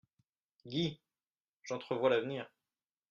Guy ! j'entrevois l'avenir.